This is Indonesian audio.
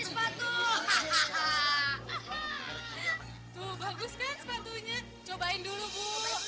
tuh bagus kan sepatunya cobain dulu bu